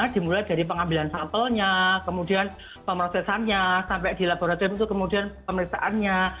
dimulai dari pengambilan sampelnya kemudian pemrosesannya sampai di laboratorium itu kemudian pemeriksaannya